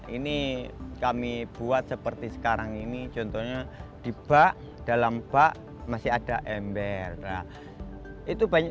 ini kami buat seperti sekarang ini contohnya di bak dalam bak masih ada ember itu banyak